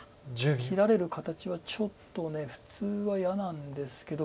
切られる形はちょっと普通は嫌なんですけど